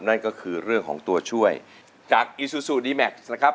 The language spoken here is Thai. นั่นก็คือเรื่องของตัวช่วยจากอีซูซูดีแม็กซ์นะครับ